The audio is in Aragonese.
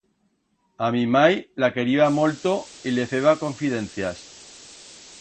A mi mai la queriba molto y le feba confidencias.